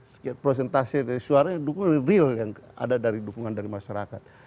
sekian presentasi dari suara yang dukungan real yang ada dari dukungan dari masyarakat